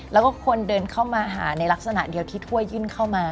แล้วก็คนเดินเข้ามาหาในลักษณะเดียวที่ถ้วยยื่นเข้ามา